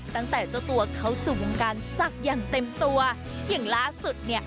ตั้งแต่เจ้าตัวเข้าสู่วงการสักอย่างเต็มตัวอย่างล่อสุดเนี้ย